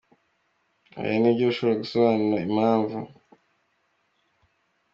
oh, ni byo, ushobora gusobanura impamvu.